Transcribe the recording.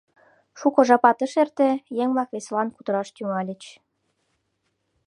Шуко жапат ыш эрте, еҥ-влак веселан кутыраш тӱҥальыч.